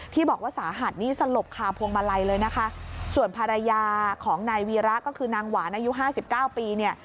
ที่บอกว่าสาหัสนี่สลบคาพวงมาลัยเลยนะคะส่วนภรรยาของนายวีระก็คือนางหวานอายุห้าสิบเก้าปีเนี่ย